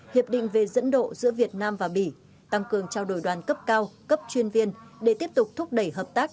hiệp định về dẫn độ giữa việt nam và bỉ tăng cường trao đổi đoàn cấp cao cấp chuyên viên để tiếp tục thúc đẩy hợp tác